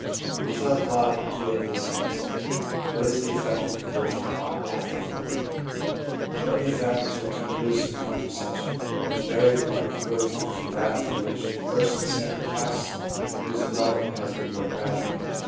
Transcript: We shall apply to it this test, What is the effect of conversion on after development ? What new factors are turned loose in consciousness which vary the line of growth from that through which persons seem to pass whose development has been more gradual